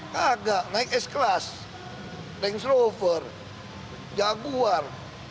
kagak naik s klas range rover jaguar